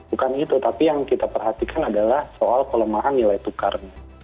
bukan itu tapi yang kita perhatikan adalah soal pelemahan nilai tukar